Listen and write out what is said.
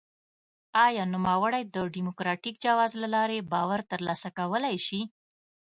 آیا نوموړی د ډیموکراټیک جواز له لارې باور ترلاسه کولای شي؟